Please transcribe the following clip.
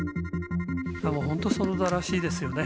もう本当園田らしいですよね。